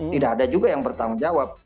tidak ada juga yang bertanggung jawab